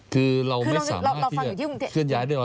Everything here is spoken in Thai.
คือเราไม่สามารถที่จะเคลื่อนย้ายได้๑๐๐ค่ะ